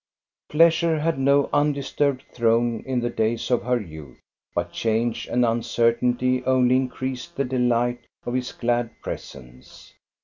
Pleasure had no undisturbed throne in the days of her youth, but change and uncertainty only increased the delight of his glad presence.